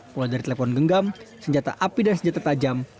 mulai dari telepon genggam senjata api dan senjata tajam